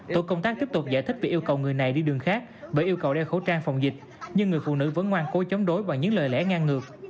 tổ công tác tiếp tục giải thích việc yêu cầu người này đi đường khác bởi yêu cầu đeo khẩu trang phòng dịch nhưng người phụ nữ vẫn ngoan cố chống đối bằng những lời lẽ ngang ngược